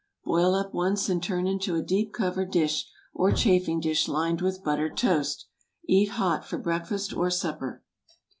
Boil up once and turn into a deep covered dish, or chafing dish lined with buttered toast. Eat hot for breakfast or supper.